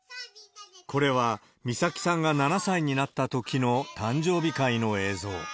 これは、美咲さんが７歳になったときの誕生日会の映像。